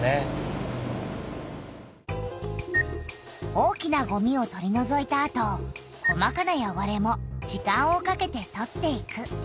大きなごみを取りのぞいたあと細かなよごれも時間をかけて取っていく。